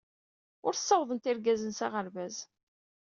Ur ssawaḍent igerdan s aɣerbaz.